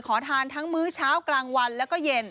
ขอทานทั้งมื้อเช้ากลางวันแล้วก็เย็น